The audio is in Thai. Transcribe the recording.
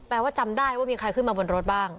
ว่าจำได้ว่ามีใครขึ้นมาบนรถบ้าง